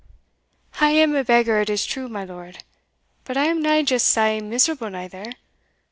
"I am a beggar, it is true, my lord; but I am nae just sae miserable neither.